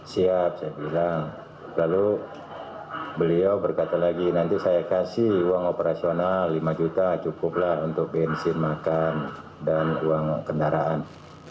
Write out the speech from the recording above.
siap saya bilang lalu beliau berkata lagi nanti saya kasih uang operasional lima juta cukuplah untuk bensin makan dan uang kendaraan